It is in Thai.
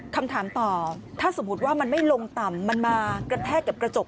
คำถามต่อถ้าสมมุติว่ามันไม่ลงต่ำมันมากระแทกกับกระจก